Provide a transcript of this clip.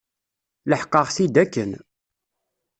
Leḥqeɣ-t-id akken.